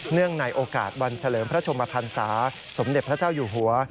ในโอกาสวันเฉลิมพระชมพันศาสมเด็จพระเจ้าอยู่หัว